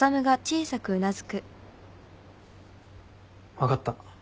分かった。